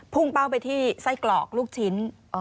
เป้าไปที่ไส้กรอกลูกชิ้น